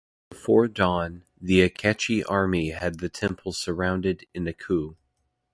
Before dawn, the Akechi army had the temple surrounded in a coup.